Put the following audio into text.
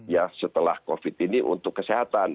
ya setelah covid ini untuk kesehatan